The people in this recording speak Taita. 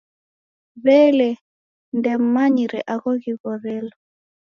W'ele ndemm'anyire agho ghighorelo